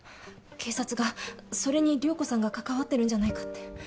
警察がそれに涼子さんが関わってるんじゃないかって。